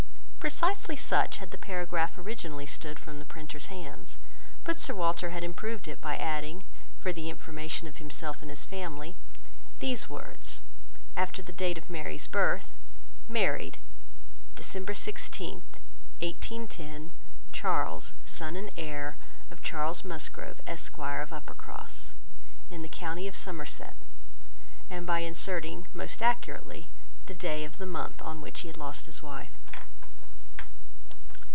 Precisely such had the paragraph originally stood from the printer's hands; but Sir Walter had improved it by adding, for the information of himself and his family, these words, after the date of Mary's birth—"Married, December 16, 1810, Charles, son and heir of Charles Musgrove, Esq. of Uppercross, in the county of Somerset," and by inserting most accurately the day of the month on which he had lost his wife.